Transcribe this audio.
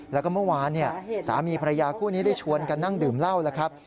แล้วก็เมื่อวานสามีภรรยาคู่นี้ได้ชวนกันนั่งดื่มเหล้าแล้วครับ